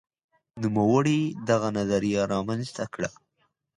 نوموړي دغه نظریه رامنځته کړه.